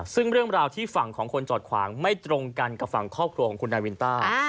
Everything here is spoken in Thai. ซึ่งเรื่องราวที่ฝั่งของคนจอดขวางไม่ตรงกันกับฝั่งครอบครัวของคุณนาวินต้า